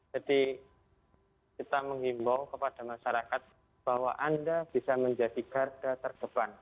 jadi kita mengimbau kepada masyarakat bahwa anda bisa menjadi garda terdepan